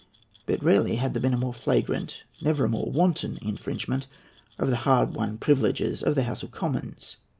But rarely had there been a more flagrant, never a more wanton, infringement of the hardly won privileges of the House of Commons.